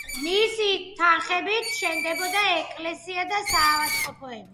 მისი თანხებით შენდებოდა ეკლესია და საავადმყოფოები.